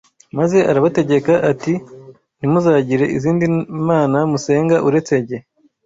Maze arabategeka ati ntimuzagire izindi mana musenga uretse jye